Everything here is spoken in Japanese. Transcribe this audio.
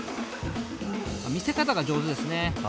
見せ方が上手ですね。